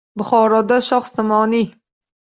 Buxoroda shoh Somoniy